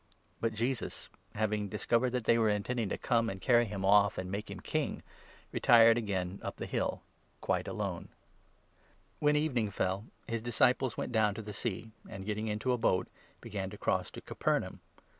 But Jesus, having discovered that they were intending to come it and carry him off to make him King, retired again up the hill, quite alone. JCBUS When evening fell, his disciples went down it walks on the to the Sea, and, getting into a boat, began to i't water. cross to Capernaum.